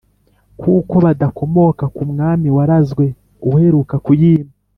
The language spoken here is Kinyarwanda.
kuko badakomoka ku mwami warazwe uheruka kuyima.